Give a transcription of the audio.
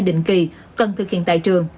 định kỳ cần thực hiện tại trường